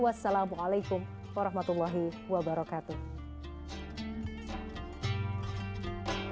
wassalamualaikum warahmatullahi wabarakatuh